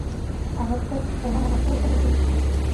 هغه ته پیغام ورکړی دی.